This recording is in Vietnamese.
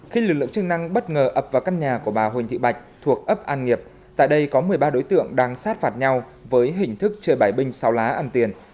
khi lực lượng chức năng bất ngờ ập vào căn nhà của bà huỳnh thị bạch thuộc ấp an nghiệp tại đây có một mươi ba đối tượng đang sát phạt nhau với hình thức chơi bài binh sau lá ăn tiền